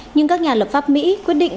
nhưng các nhà lập pháp mỹ quyết định